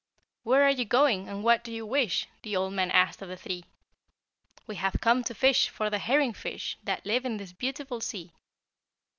"Where are you going, and what do you wish?" The old man asked of the three. "We have come to fish for the herring fish That live in this beautiful sea.